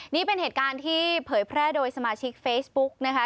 นี่เป็นเหตุการณ์ที่เผยแพร่โดยสมาชิกเฟซบุ๊กนะคะ